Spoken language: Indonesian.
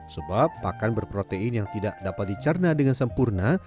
sebab pakan berprotein yang tidak dapat dicarna dengan sempurna